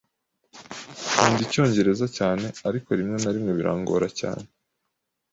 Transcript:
Nkunda Icyongereza cyane, ariko rimwe na rimwe birangora cyane.